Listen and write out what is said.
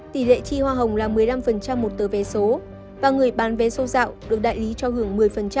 tỷ lệ chi hoa hồng là một mươi năm một tờ vé số và người bán vé số dạo được đại ý cho hưởng một mươi